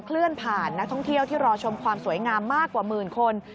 เลื่อนผ่านนักท่องเที่ยวที่รอชมความสวยงามมากกว่าหมื่นคน